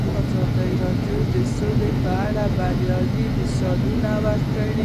ازادي راډیو د سوله په اړه د بریاوو مثالونه ورکړي.